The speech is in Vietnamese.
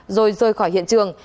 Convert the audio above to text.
rồi rơi khỏi hiện trường